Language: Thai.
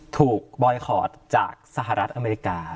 บอยคอร์ดจากสหรัฐอเมริกา